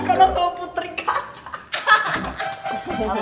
kau kan sama putri kata